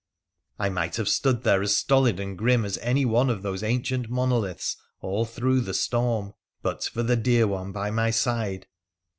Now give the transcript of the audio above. I might have stood there as stolid and grim as any one of those ancient monoliths all through the storm, but for the dear one by my side.